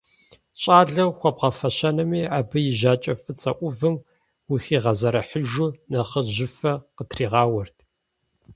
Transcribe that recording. ЩӀалэу хуэбгъэфэщэнуми, абы и жьакӀэ фӀыцӀэ Ӏувым, ухигъэзэрыхьыжу, нэхъыжьыфэ къытригъауэрт.